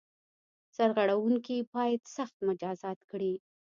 سرغړوونکي باید سخت مجازات کړي.